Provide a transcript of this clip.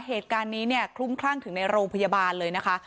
เหตุการณ์นี้เนี่ยคลุ้มคลั่งถึงในโรงพยาบาลเลยนะคะ